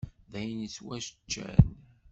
D ayen ittwaččan?